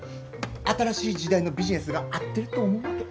新しい時代のビジネスが合ってると思うわけ。